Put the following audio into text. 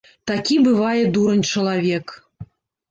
Такі бывае дурань чалавек.